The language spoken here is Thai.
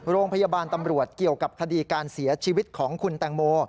โรงพยาบาลตำรวจเกี่ยวกับคดีการเสียชีวิตของคุณแตงโม